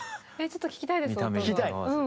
ちょっと聴きたいです